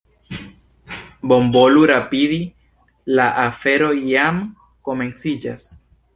Bonvolu rapidi, la afero jam komenciĝas.